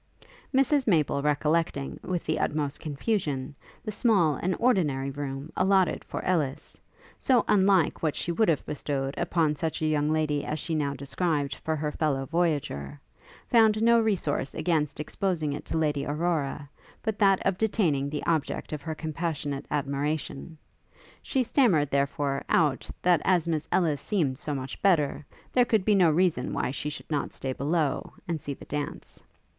Mrs Maple recollecting, with the utmost confusion, the small and ordinary room allotted for Ellis, so unlike what she would have bestowed upon such a young lady as she now described for her fellow voyager, found no resource against exposing it to Lady Aurora, but that of detaining the object of her compassionate admiration; she stammered, therefore, out, that as Miss Ellis seemed so much better, there could be no reason why she should not stay below, and see the dance.